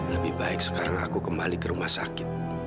lebih baik sekarang aku kembali ke rumah sakit